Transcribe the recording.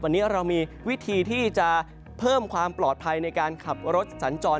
วันนี้เรามีวิธีที่จะเพิ่มความปลอดภัยในการขับรถสัญจร